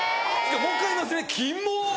もう一回言いますねキモっ！